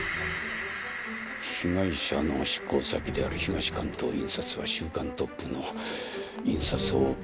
被害者の出向先である東関東印刷は『週刊トップ』の印刷を請け負っている会社だ。